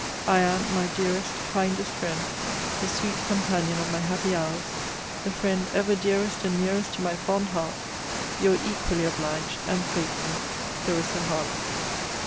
I am, my dearest, kindest friend, the sweet companion of my happy hours, the friend ever dearest and nearest to my fond heart, Your equally obliged and faithful, CLARISSA HARLOWE.